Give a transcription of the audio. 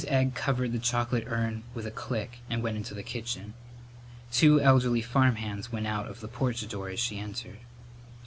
Egg covered the chocolate urn with a click and went into the kitchen. Two elderly farmhands went out of the porch door as she entered. Mrs.